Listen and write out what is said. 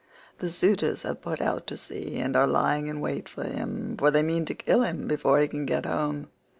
The suitors have put out to sea and are lying in wait for him, for they mean to kill him before he can get home.